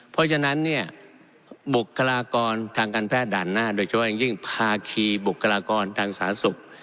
เพราะฉะนั้นเนี่ยบุรกรากรทางการแพทย์ด่านหน้าโดยช่วยยิ่งพาขีบุรกรากรทางสาธารณสุข